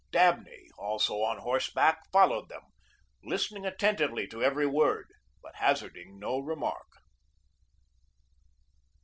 Dabney, also on horseback, followed them, listening attentively to every word, but hazarding no remark.